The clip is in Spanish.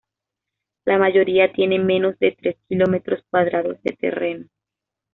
La mayoría tiene menos de tres kilómetros cuadrados de terreno.